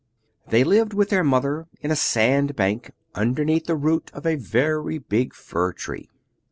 They lived with their Mother in a sand bank, underneath the root of a very big fir tree.